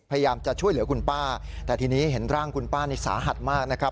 พยายามจะช่วยเหลือคุณป้าแต่ทีนี้เห็นร่างคุณป้านี่สาหัสมากนะครับ